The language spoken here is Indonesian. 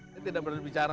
saya tidak berbicara